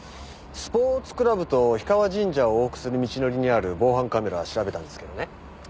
スポーツクラブと氷川神社を往復する道のりにある防犯カメラ調べたんですけどね。